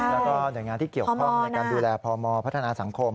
แล้วก็หน่วยงานที่เกี่ยวข้องในการดูแลพมพัฒนาสังคม